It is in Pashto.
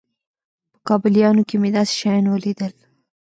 په کابليانو کښې مې داسې شيان وليدل.